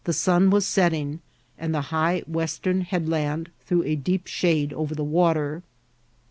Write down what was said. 401 sun was setting, and the high western headland throw a deep shade over the water.